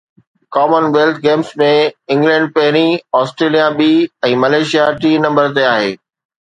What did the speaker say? ڪمن wealth Games ۾ England پهرين، Australia ٻي ۽ ملائيشيا ٽئين نمبر تي آهي